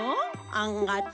あんがと。